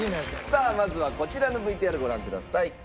さあまずはこちらのＶＴＲご覧ください。